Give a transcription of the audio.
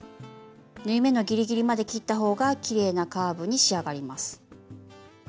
縫い目のギリギリまで切った方がきれいなカーブに仕上がります。